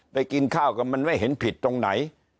กินข้าวกันมันไม่เห็นผิดตรงไหน